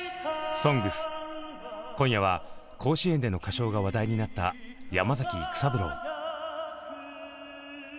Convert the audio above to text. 「ＳＯＮＧＳ」今夜は甲子園での歌唱が話題になった山崎育三郎。